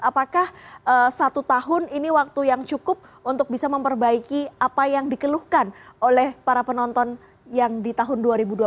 apakah satu tahun ini waktu yang cukup untuk bisa memperbaiki apa yang dikeluhkan oleh para penonton yang di tahun dua ribu dua puluh satu